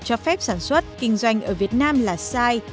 cho phép sản xuất kinh doanh ở việt nam là sai